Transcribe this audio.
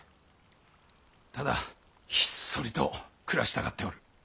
ただひっそりと暮らしたがっておる。